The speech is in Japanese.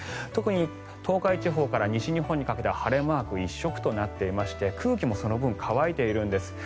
特に東海地方から西日本にかけては晴れマーク一色となっていまして空気もその分乾いているんです。